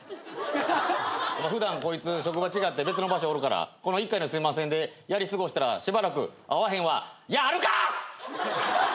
「普段こいつ職場違って別の場所おるからこの一回のすいませんでやり過ごしたらしばらく会わへんわ」やあるか！